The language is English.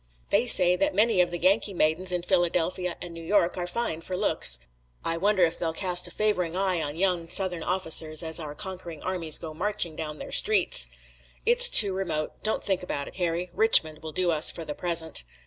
They say that many of the Yankee maidens in Philadelphia and New York are fine for looks. I wonder if they'll cast a favoring eye on young Southern officers as our conquering armies go marching down their streets!" "It's too remote. Don't think about it, Harry. Richmond will do us for the present."